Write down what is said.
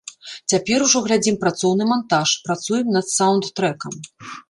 Цяпер ужо глядзім працоўны мантаж, працуем над саўнд-трэкам.